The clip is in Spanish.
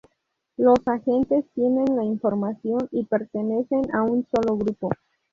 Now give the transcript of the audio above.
Los agentes tienen la información, y pertenecen a un solo grupo.